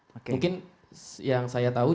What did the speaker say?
mungkin yang saya tahu